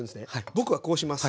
僕はこうします。